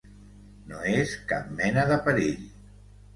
No és cap mena de perill.